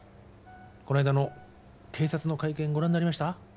この間の警察の会見ご覧になりました？